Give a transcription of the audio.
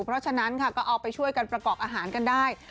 เพราะฉะนั้นค่ะก็เอาไปช่วยกันประกอบอาหารกันได้